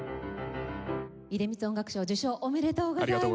出光音楽賞受賞おめでとうございます。